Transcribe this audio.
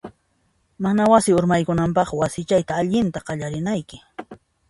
Mana wasi urmaykunanpaq, wasichayta allinta qallarinayki.